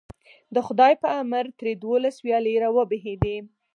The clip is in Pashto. د خدای په امر ترې دولس ویالې راوبهېدې.